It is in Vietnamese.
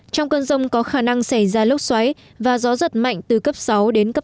trong cơn rông có khả năng xảy ra lốc xoáy và gió giật mạnh từ cấp sáu đến cấp tám